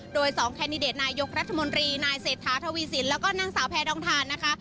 โดย๒แคนดิเดตนายกรัฐมนตรีนายเศรษฐาทวีสินแล้วก็นางสาวแพทองทานนะคะ